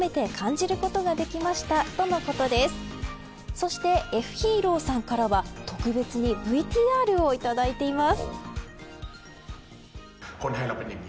そして、Ｆ．ＨＥＲＯさんからは特別にＶＴＲを頂いています。